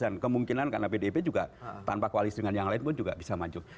dan kemungkinan karena pdip juga tanpa koalisi dengan yang lain pun juga bisa maju